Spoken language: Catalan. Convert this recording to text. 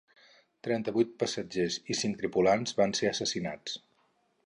Trenta-vuit passatgers i cinc tripulants van ser assassinats.